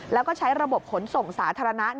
แล้วก็ใช้ระบบขนส่งสาธารณะ